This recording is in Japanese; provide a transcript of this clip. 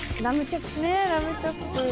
ラムチョップ。